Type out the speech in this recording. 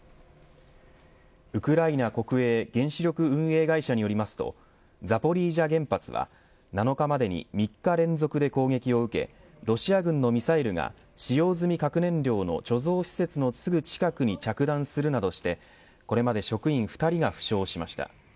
ウクライナ国営原子力運営会社によりますとザポリージャ原発は７日までに３日連続で攻撃を受けロシア軍のミサイルが使用済み核燃料の貯蔵施設のすぐ近くに着弾するなどしてこれまで職員２人が負傷しました。